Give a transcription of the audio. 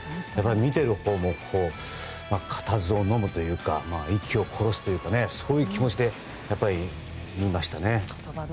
見ているほうも固唾をのむというか息を殺すというかそういう気持ちで見ましたね。